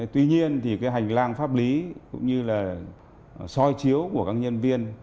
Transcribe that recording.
tuy nhiên hành lang pháp lý cũng như soi chiếu của các nhân viên